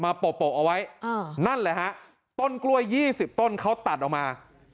มาโปะโปะเอาไว้อ่านั่นแหละฮะต้นกล้วยยี่สิบต้นเขาตัดออกมา